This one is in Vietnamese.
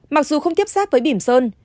mặc dù không tiếp xác với bỉm sơn